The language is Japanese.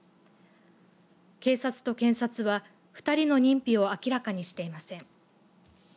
警察と検察は２人の認否を明らかにしていません。